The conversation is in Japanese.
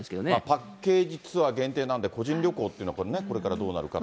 パッケージツアー限定なんで、個人旅行っていうのはこれからどうなるか。